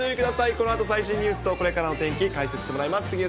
このあと最新ニュースとこれからの天気、解説してもらいます。